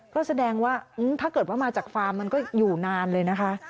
ก็แสดงว่าถ้าเกิดว่ามาจากฟาร์มมันก็อยู่นานเลยนะคะ